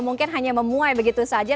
mungkin hanya memuai begitu saja